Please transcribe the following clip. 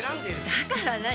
だから何？